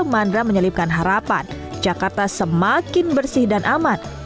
mandra menyelipkan harapan jakarta semakin bersih dan aman